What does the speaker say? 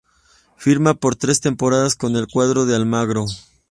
Firma por tres temporadas con el cuadro de Almagro.